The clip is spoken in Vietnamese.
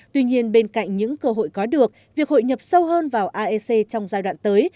tuy nhiên bên cạnh những cơ hội có được việc hội nhập sâu hơn vào aec trong giai đoạn tới